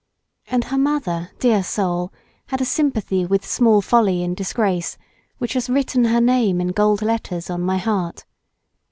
And her mother—dear soul—had a sympathy with small folly in disgrace, which has written her name in gold letters on my heart.